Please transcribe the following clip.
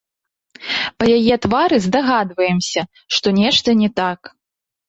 Па яе твары здагадваемся, што нешта не так.